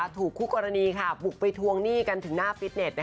ถูกคู่กรณีบุกไปทวงหนี้กันถึงหน้าฟิตเน็ต